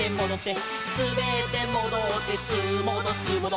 「すべってもどってすーもどすーもど」